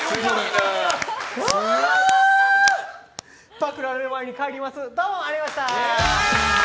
パクられる前に帰ります。